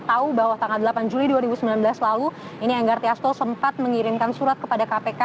tahu bahwa tanggal delapan juli dua ribu sembilan belas lalu ini enggar tiasto sempat mengirimkan surat kepada kpk